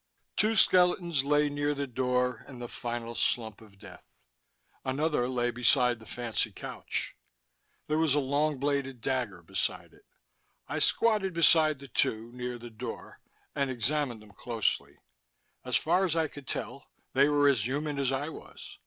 Two skeletons lay near the door, in the final slump of death. Another lay beside the fancy couch. There was a long bladed dagger beside it. I squatted beside the two near the door and examined them closely. As far as I could tell, they were as human as I was.